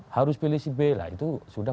harus milih si b itu sudah